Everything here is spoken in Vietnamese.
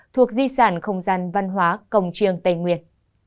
thuộc di sản không gian văn hóa cồng triêng tây nguyên